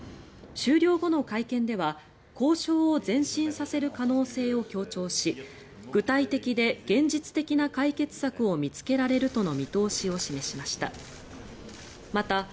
終了後の会見では交渉を前進させる可能性を強調し具体的で現実的な解決策を見つけられるとの見通しを示しました。